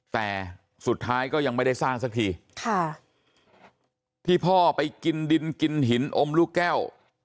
แต่สุดท้ายก็ยังไม่ได้สร้างสักทีค่ะที่พ่อไปกินดินกินหินอมลูกแก้ว